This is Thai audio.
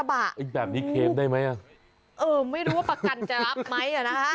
ไม่รู้ว่าประกันจะรับไหม